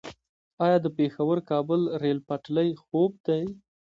آیا د پیښور - کابل ریل پټلۍ خوب دی؟